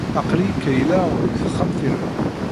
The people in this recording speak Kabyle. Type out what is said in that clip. Aql-iyi qeyyleɣ deg texxamt-inu.